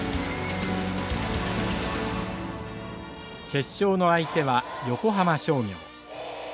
決勝の相手は横浜商業。